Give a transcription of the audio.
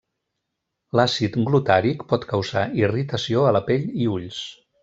L'àcid glutàric pot causar irritació a la pell i ulls.